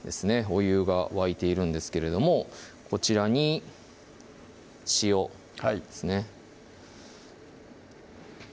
お湯が沸いているんですけれどもこちらに塩ですね